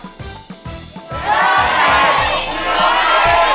เบนเน็ต